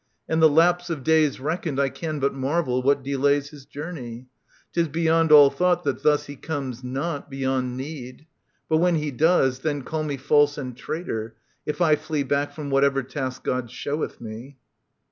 And the lapse of days Reckoned, I can but marvel what delays His journey. 'Tis beyond all thought that thus He comes not, beyond need. But when he does. Then call me false and traitor, if I flee Back from whatever task God sheweth me.